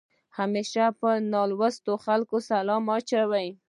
همېشه په ناستو خلکو سلام اچوې.